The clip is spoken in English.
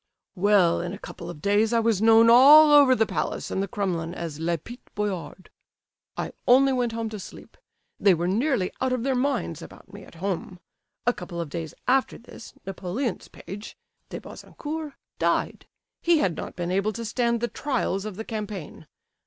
"Well, in a couple of days I was known all over the palace and the Kremlin as 'le petit boyard.' I only went home to sleep. They were nearly out of their minds about me at home. A couple of days after this, Napoleon's page, De Bazancour, died; he had not been able to stand the trials of the campaign.